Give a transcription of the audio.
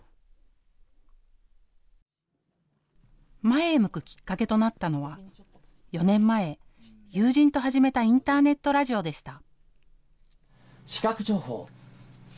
前へ向くきっかけとなったのは４年前、友人と始めたインターネットラジオでした。